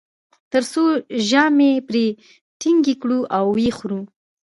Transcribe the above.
تر څو ژامې پرې ټینګې کړو او و یې خورو.